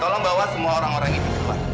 tolong bawa semua orang orang itu keluar